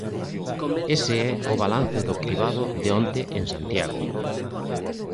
Ese é o balance do cribado de onte en Santiago.